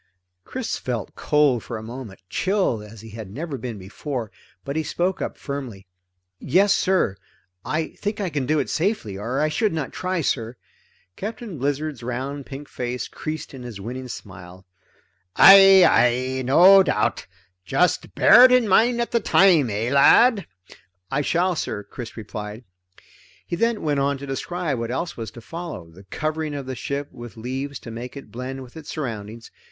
Chris felt cold for a moment, chilled as he had never been before, but he spoke up firmly. "Yes sir. I think I can do it safely, or I should not try, sir." Captain Blizzard's round pink face creased in his winning smile. "Aye, aye. No doubt. Just bear it in mind at the time, eh lad?" "I shall sir," Chris replied. He then went on to describe what else was to follow the covering of the ship with leaves to make it blend with its surroundings.